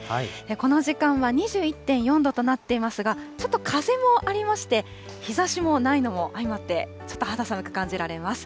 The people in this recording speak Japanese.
この時間は２１．４度となっていますが、ちょっと風もありまして、日ざしもないのも相まって、ちょっと肌寒く感じられます。